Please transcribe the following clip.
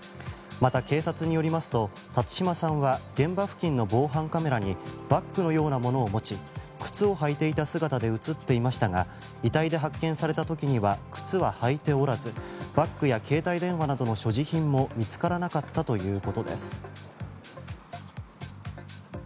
また警察によりますと辰島さんは現場付近の防犯カメラにバッグのようなものを持ち靴を履いていた姿で映っていましたが遺体で発見された時には靴は履いておらずバッグや携帯電話などの所持品も見つからなかったということです。